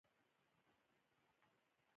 موږ سولې ته کار کوو.